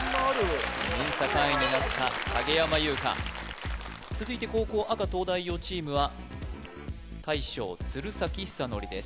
ＭＥＮＳＡ会員になった影山優佳続いて後攻赤東大王チームは大将鶴崎修功です